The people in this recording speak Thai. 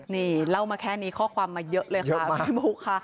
นี่เล่ามาแค่นี้ข้อความมาเยอะเลยค่ะพี่บุ๊คค่ะ